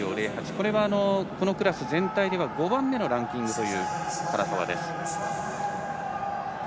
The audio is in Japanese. これはこのクラス全体では５番目のランキングという唐澤です。